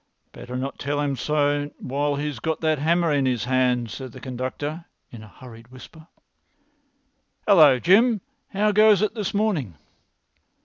"Better not tell him so while he's got that hammer[Pg 243] in his hand," said the conductor, in a hurried whisper. "Hallo, Jim, how goes it this morning?"